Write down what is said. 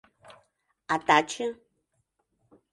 А таче...